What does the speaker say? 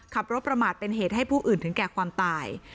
ขับรถประมาทเป็นเหตุให้ผู้อื่นถึงแก่ความตาย